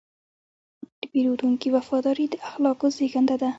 د پیرودونکي وفاداري د اخلاقو زېږنده ده.